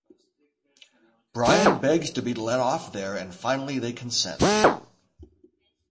Brian begs to be let off there and finally they consent.